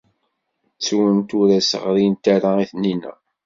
Ttunt ur as-ɣrint ara i Taninna.